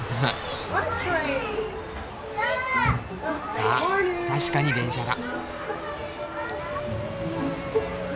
ああ確かに電車だ。